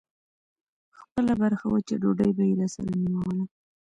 خپله برخه وچه ډوډۍ به يې راسره نيموله.